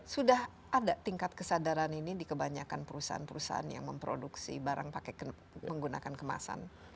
sudah ada tingkat kesadaran ini di kebanyakan perusahaan perusahaan yang memproduksi barang menggunakan kemasan